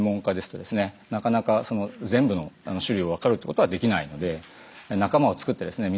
なかなか全部の種類を分かるってことはできないので仲間を作ってですね